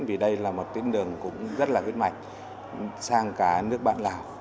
và viết mạch sang cả nước bạn lào